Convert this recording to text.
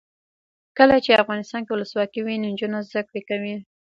کله چې افغانستان کې ولسواکي وي نجونې زده کړې کوي.